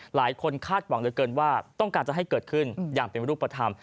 คาดหวังเหลือเกินว่าต้องการจะให้เกิดขึ้นอย่างเป็นรูปธรรม